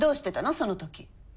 その時。